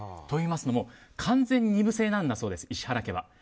といいますのも完全２部制なんだそうです石原家は。